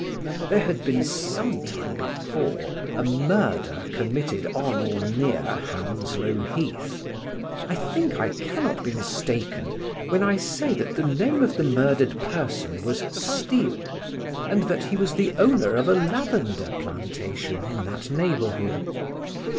There had been some time before a murder committed on or near Hounslow Heath. I think I cannot be mistaken when I say that the name of the murdered person was Steele, and that he was the owner of a lavender plantation in that neighbourhood.